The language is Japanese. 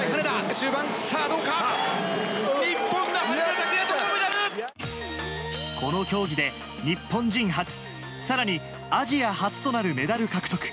終盤、さあどうか、日本の羽根田この競技で、日本人初、さらに、アジア初となるメダル獲得。